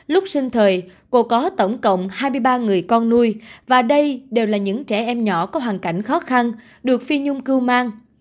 lúc sinh thời cô có tổng cộng hai mươi ba người con nuôi và đây đều là những trẻ em nhỏ có hoàn cảnh khó khăn được phi nhung cưu mang